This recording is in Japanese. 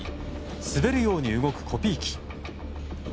滑るように動くコピー機。